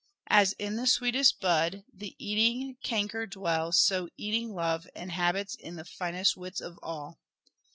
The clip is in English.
As in the sweetest bud The eating canker dwells, so eating love Inhabits in the finest wits of all.